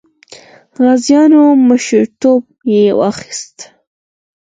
غازیانو مشرتوب یې واخیست.